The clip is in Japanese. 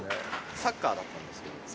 サッカーだったんです。